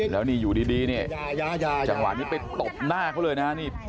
แล้วนี่อยู่ดีจังหวะนี่ไปตบหน้าเขาเลยนะ